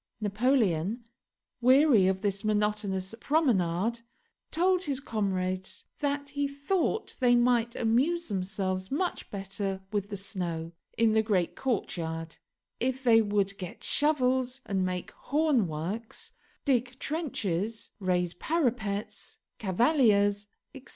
Napoleon, weary of this monotonous promenade, told his comrades that he thought they might amuse themselves much better with the snow, in the great courtyard, if they would get shovels and make hornworks, dig trenches, raise parapets, cavaliers, etc.